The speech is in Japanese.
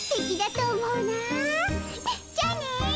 じゃあね。